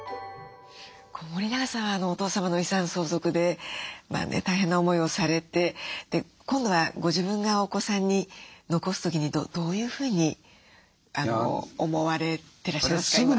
森永さんはお父様の遺産相続で大変な思いをされて今度はご自分がお子さんに残す時にどういうふうに思われてらっしゃいますか？